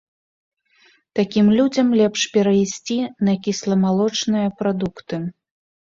Такім людзям лепш перайсці на кісламалочныя прадукты.